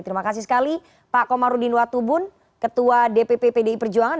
terima kasih sekali pak komarudin watubun ketua dpp pdi perjuangan